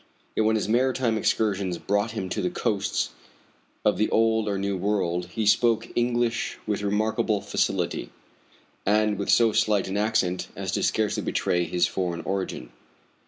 Yet when his maritime excursions brought him to the coasts of the old or new world he spoke English with remarkable facility, and with so slight an accent as to scarcely betray his foreign origin.